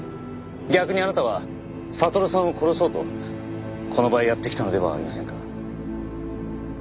逆にあなたは悟さんを殺そうとこの場へやって来たのではありませんか？